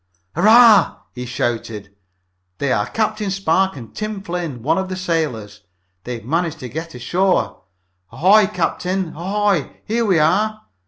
"Hurrah!" he shouted. "They are Captain Spark and Tim Flynn, one of the sailors! They've managed to get to shore! Ahoy, captain! Ahoy! Here we are!"